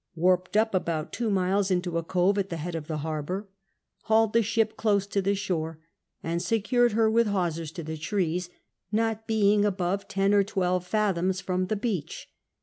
Warped up about two miles into a cove at the head of the harbour, hauled the ship close to the shore, and secured her with liawsers to the trees, not being above ten or twelve fathoms from the beach.